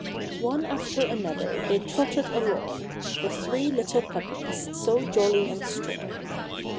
One after another they trotted along, — The three little Puppies, — so jolly and strong.